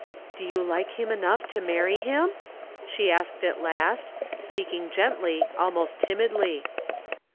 " Do you like him enough to marry him ?'* she asked at last, speaking gently, almost timidly.